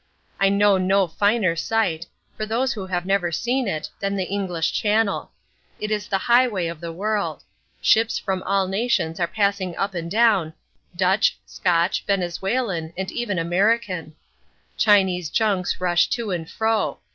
I know no finer sight, for those who have never seen it, than the English Channel. It is the highway of the world. Ships of all nations are passing up and down, Dutch, Scotch, Venezuelan, and even American. Chinese junks rush to and fro.